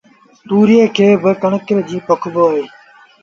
تُوريئي کي با ڪڻڪ ري جيٚن پوکبو اهي